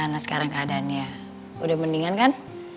nah sekarang keadaannya udah mendingan kan